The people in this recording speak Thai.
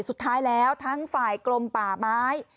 สุดท้ายแล้วทั้งฝ่ายกลมป่าไม้